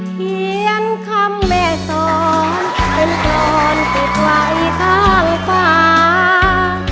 เขียนคำแม่สอนเป็นกรอนติดไว้ข้างฟ้า